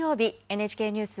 ＮＨＫニュース